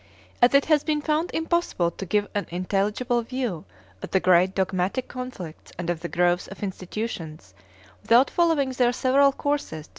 As it has been found impossible to give an intelligible view of the great dogmatic conflicts and of the growth of institutions without following their several courses to viii Preface.